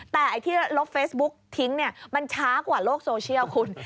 แต่ไอ้ที่ลบเฟซบุ๊กทิ้งเนี่ยมันช้ากว่าโลกโซเชียลคุณ